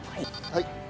はい。